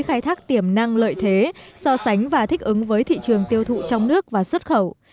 khai thác tiềm năng lợi thế so sánh và thích ứng với thị trường tiêu thụ trong nước và xuất khẩu